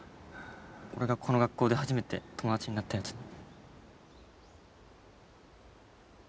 俺がこの学校で初めて友達になったやつに。